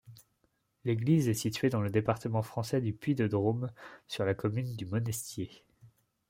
L'église est située dans le département français du Puy-de-Dôme, sur la commune du Monestier.